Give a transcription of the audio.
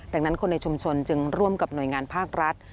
ดังนั้นคนในชุมชนจึงร่วมกับหน่วยงานภาครัฐ